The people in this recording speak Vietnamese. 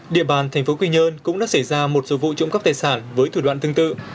địa bàn thành phố quy nhơn cũng đã xảy ra một số vụ trộm cắp tài sản với thủ đoạn tương tự